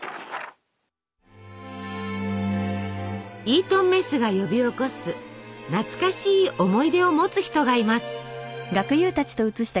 イートンメスが呼び起こす懐かしい思い出を持つ人がいます。